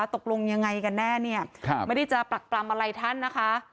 ตกลงยังไงกันแน่เนี่ยไม่ได้จะปรักปรำอะไรท่านนะคะ